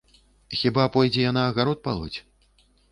Хіба пойдзе яна агарод палоць?